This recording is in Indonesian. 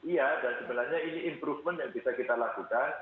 iya dan sebenarnya ini improvement yang bisa kita lakukan